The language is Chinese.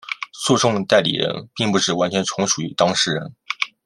诉讼代理人并不是完全从属于当事人。